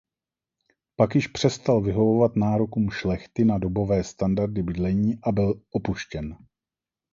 Pak již přestal vyhovovat nárokům šlechty na dobové standardy bydlení a byl opuštěn.